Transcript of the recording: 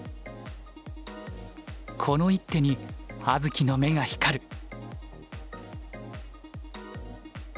この一手に葉月の目が光る。